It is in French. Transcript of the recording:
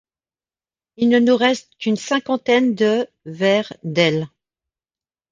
Il ne nous reste qu'une cinquantaine de vers d'elle.